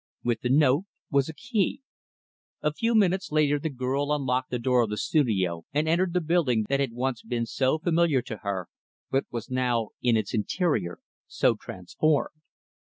With the note, was a key. A few minutes later, the girl unlocked the door of the studio, and entered the building that had once been so familiar to her, but was now, in its interior, so transformed.